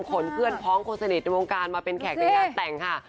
ขนเพื่อนพ้องคนสนิทในวงการมาเป็นแขกในงานแต่งค่ะ